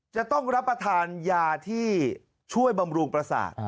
จะต้องรับประทานยาที่ช่วยบำรุงประสาท